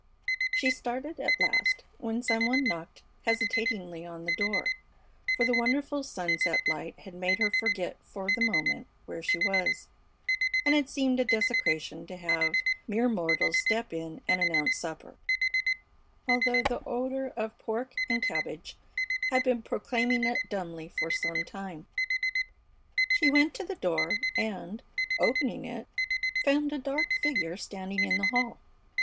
She started at last when some one knocked hesitatingly on the door, for the wonderful sunset light had made her forget for the moment where she was, and it seemed a desecration to have mere mortals step in and announce supper, although the odor of pork and cabbage had been proclaiming it dumbly for some time. She went to the door, and, opening it, found a dark figure standing in the hall.